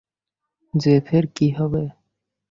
জেফের কী হবে?